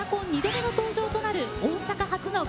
２度目の登場となる大阪発の